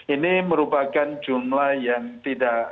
ini merupakan jumlah yang tidak